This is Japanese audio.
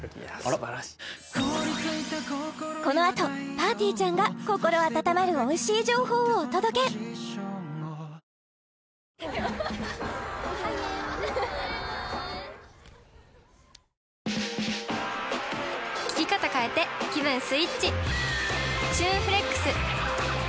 このあとぱーてぃーちゃんが心温まる美味しい情報をお届け「ルル」の季節です。